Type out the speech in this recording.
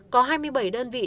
có hai mươi bảy đơn vị